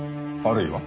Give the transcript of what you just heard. あるいは？